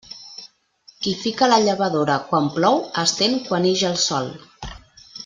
Qui fica la llavadora quan plou, estén quan ix el sol.